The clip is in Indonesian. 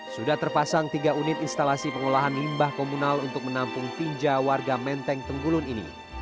sudah terpasang tiga unit instalasi pengolahan limbah komunal untuk menampung pinja warga menteng tenggulun ini